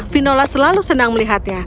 vinola selalu senang melihatnya